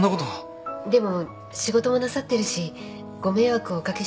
でも仕事もなさってるしご迷惑をお掛けしてるんじゃないかと。